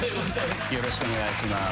よろしくお願いします。